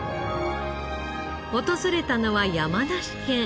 訪れたのは山梨県。